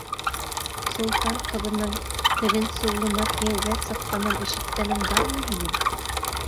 Солтан ҡыҙының тегенсе улына кейәүгә сыҡҡанын ишеткәнең бармы һинең?